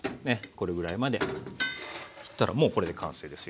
これぐらいまでいったらもうこれで完成ですよ。